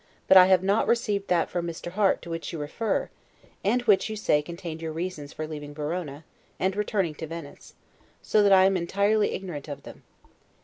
but I have not received that from Mr. Harte to which you refer, and which you say contained your reasons for leaving Verona, and returning to Venice; so that I am entirely ignorant of them.